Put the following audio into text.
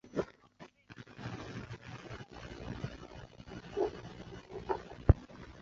叔父瞿兑之。